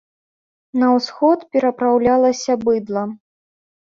На ўсход перапраўлялася быдла.